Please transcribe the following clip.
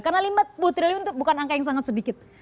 karena lima puluh triliun itu bukan angka yang sangat sedikit